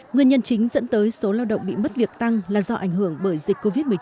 nguyên nhân chính dẫn tới số lao động bị mất việc tăng là do ảnh hưởng bởi dịch covid một mươi chín